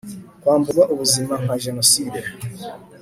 kwamburwa ubuzima nka jenoside